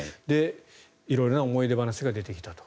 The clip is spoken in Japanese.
色々な思い出話が出てきたと。